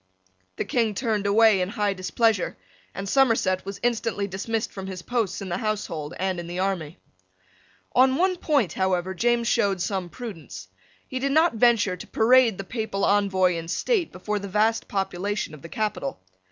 The King turned away in high displeasure, and Somerset was instantly dismissed from his posts in the household and in the army. On one point, however, James showed some prudence. He did not venture to parade the Papal Envoy in state before the vast population of the capital.